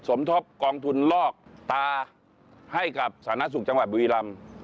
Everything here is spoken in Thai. สมทบกองทุนลอกตาให้กับสาธารณสุขจังหวัดบุรีรำ